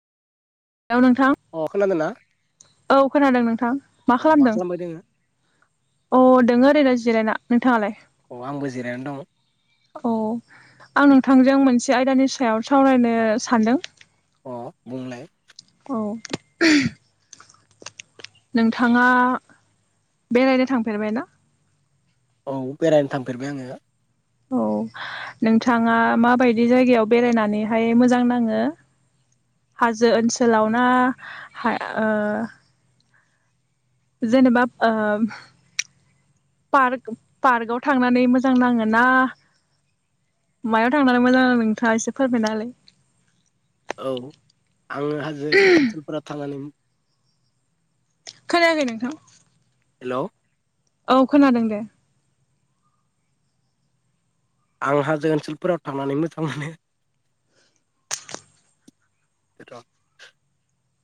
Hello नोंथां अ खोनादोना? औ खोनादों नोंथां मा खालामदों? खालामबाय दोङो अ दोङो ओरैनो जिरायना। नोंथाङालाय अ आंबो जिरायनानै दङ औ आं नों थांजों मोनसे आयदानि सायाव सावरायनो सान्दों। अ बुंलाय? औ। नोंथाङा बेरायनो थांफेरबाय ना? औ बेरायनो थांफेरबाय आङो। औ। नोंथाङा माबायदि जायगायाव बेरायनानैहाय मोजां नाङो हाजो ओनसोलाव ना हा ओ जेनेबा ओ पार्क-पार्कआव थांनानै मोजां नाङो ना मायाव थांनानै मोजां नाङो नोंथाङा एसे फोरमायना होलाय? औ आङो हाजो ओनसोलफोराव थांनानै खोनायाखै नोंथां। हेलौ औ खोनादों दे आं हाजो ओनसोलफोराव थांनानै मोजां मोनो।